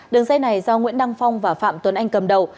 đường dây này do nguyễn đăng phong và phạm tuấn anh cầm đầu